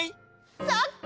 そっか！